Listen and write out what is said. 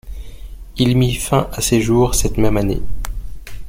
Il mit fin à ses jours cette même année.